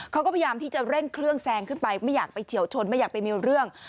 เขาก็พยายามที่จะเร่งเครื่องแซงขึ้นไปไม่อยากไปเฉียวชนไม่อยากไปมีเรื่อง